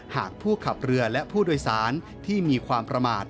หากผู้ขับเรือและผู้โดยสารที่มีความประมาท